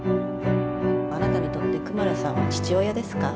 あなたにとってクマラさんは父親ですか？